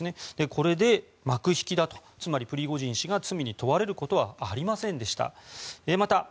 これで幕引きだとつまり、プリゴジン氏が罪に問われることはありませんでした。